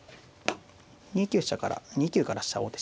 ２九飛車から２九から飛車王手しましたね。